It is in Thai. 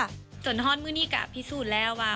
ส่วนฮ่อมือนี่ก็พิสูจน์แล้วว่า